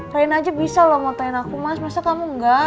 rina aja bisa loh mau tanya aku mas masa kamu gak